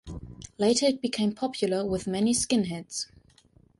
Later it became popular with many skinheads.